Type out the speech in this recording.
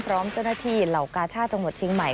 พร้อมจะได้ที่เห็นเหล่ากาชาจังหวัดเชียงใหม่